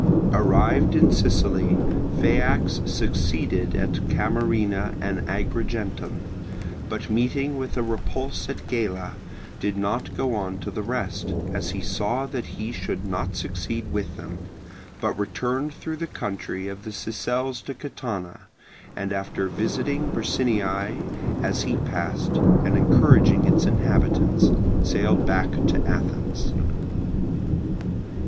Arrived in Sicily, Phaeax succeeded at Camarina and Agrigentum, but meeting with a repulse at Gela did not go on to the rest, as he saw that he should not succeed with them, but returned through the country of the Sicels to Catana, and after visiting Bricinniae as he passed, and encouraging its inhabitants, sailed back to Athens.